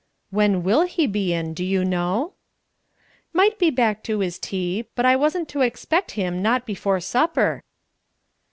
"When will he be in, do you know?" "Might be back to his tea but I wasn't to expect him not before supper."